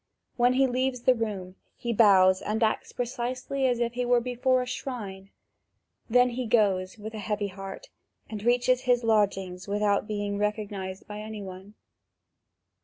When he leaves the room, he bows and acts precisely as if he were before a shrine; then he goes with a heavy heart, and reaches his lodgings without being recognised by any one.